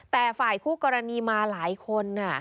แต่ฝ่ายคู่กรณีมาหลายคน